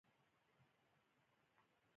نړۍوالو ته افغان لوبغاړو ځان ښکاره کړى دئ.